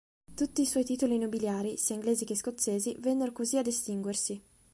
Tutti i suoi titoli nobiliari, sia inglesi che scozzesi, vennero così ad estinguersi.